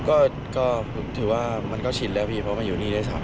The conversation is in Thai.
โอเคขนมันเห็นก็ชิดแล้วเพราะอยู่ที่นี่ได้๓๔วัน